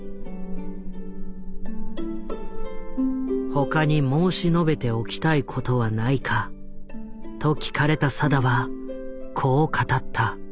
「他に申し述べておきたいことはないか？」と聞かれた定はこう語った。